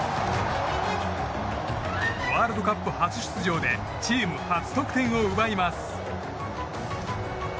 ワールドカップ初出場でチーム初得点を奪います。